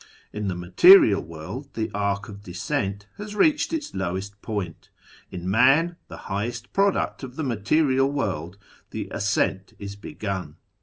In the material world the " Arc of Descent " has reached its lowest point ; in man, the highest product of the material world, the ascent is begun.